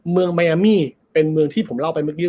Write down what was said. เมืองมายอามี่เป็นเมืองที่ผมเล่าไปเมื่อกี้